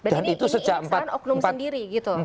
dan ini ini saran oknum sendiri gitu